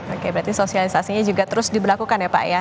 oke berarti sosialisasinya juga terus diberlakukan ya pak ya